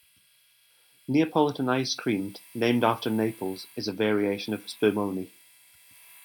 Neapolitan ice cream, named after Naples, is a variation of spumoni.